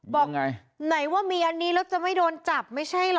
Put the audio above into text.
บอกไงไหนว่ามีอันนี้แล้วจะไม่โดนจับไม่ใช่เหรอ